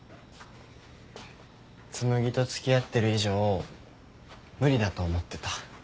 紬と付き合ってる以上無理だと思ってた。